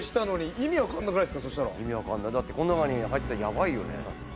意味分かんないだってこの中に入ってたらやばいよね。